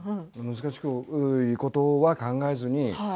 難しいことは考えずに。